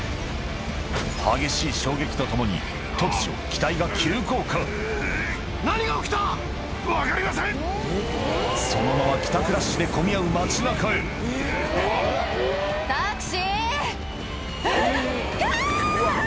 激しい衝撃とともに突如機体が急降下そのまま帰宅ラッシュで混み合う街中へえっ？